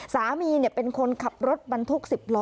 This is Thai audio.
สามีเป็นคนขับรถบรรทุก๑๐ล้อ